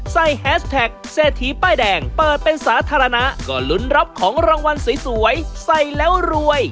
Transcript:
ใส่แฮชแท็กเปิดเป็นสาธารณะก็ลุ้นรับของรางวัลสวยสวยใส่แล้วรวย